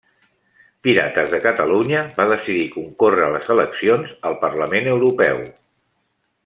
Pirates de Catalunya va decidir concórrer les eleccions al Parlament Europeu.